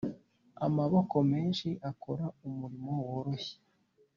amaboko menshi akora umurimo woroshye